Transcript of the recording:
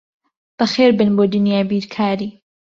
بەخێربێن بۆ دنیای بیرکاری.